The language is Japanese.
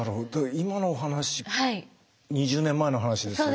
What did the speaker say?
今のお話２０年前の話ですよね。